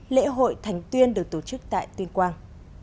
lễ hội thành tuyên được tổ chức tại tuyên quang